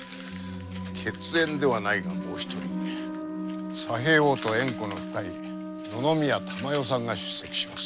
血縁ではないがもう一人佐兵衛翁と縁故の深い野々宮珠世さんが出席します。